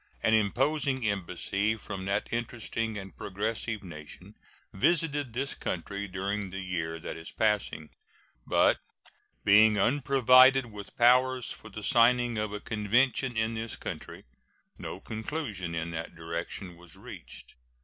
An imposing embassy from that interesting and progressive nation visited this country during the year that is passing, but, being unprovided with powers for the signing of a convention in this country, no conclusion in that direction was reached.